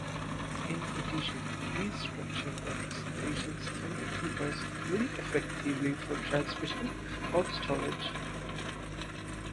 In addition, these structured representations can be compressed very effectively for transmission or storage.